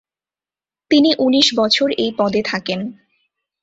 তিনি উনিশ বছর এই পদে থাকেন।